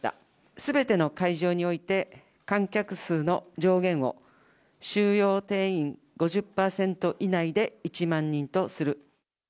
すべての会場において、観客数の上限を収容定員５０％以内で１万人とする。